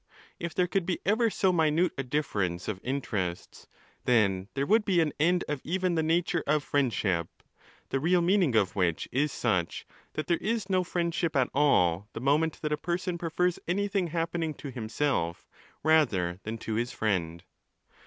If there could be ever so minute a difference of interests, then there would be an end of even the nature of friendship, the real meaning of which is such, that there is no friendship at all the moment that a person 'prefers anything happening to himself rather than to his friend.